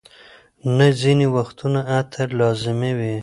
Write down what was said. نه، ځینې وختونه عطر لازمي وي.